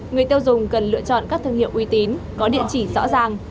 người tiêu dùng cần lựa chọn các thương hiệu uy tín có địa chỉ rõ ràng